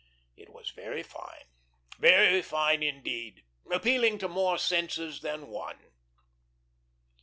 It was very fine, very fine indeed; appealing to more senses than one.